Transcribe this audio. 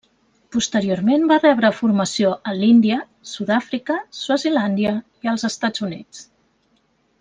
Posteriorment va rebre formació a l'Índia, Sud-àfrica, Swazilàndia i els Estats Units.